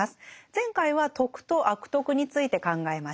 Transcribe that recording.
前回は「徳」と「悪徳」について考えました。